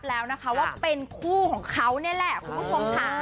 แล้วว่าเป็นคู่ของเขานึ่งแหละูกผู้ชมจ๋า